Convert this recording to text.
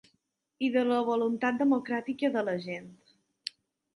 I de la voluntat democràtica de la gent.